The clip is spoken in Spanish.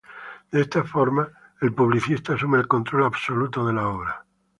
De esta forma, el publicista asume el control absoluto de la obra.